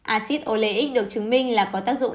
acid oleic được chứng minh là có tác dụng